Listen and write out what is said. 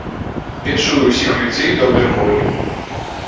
Віншую ўсіх людзей добрай волі!